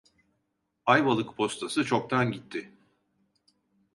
Ayvalık postası çoktan gitti.